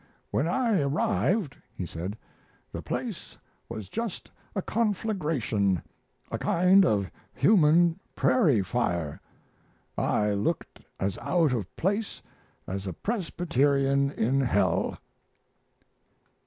"When I arrived," he said, "the place was just a conflagration a kind of human prairie fire. I looked as out of place as a Presbyterian in hell."